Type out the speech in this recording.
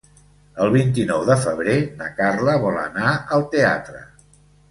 El vint-i-nou de febrer na Carla vol anar al teatre.